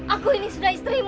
aku ini sudah istrimu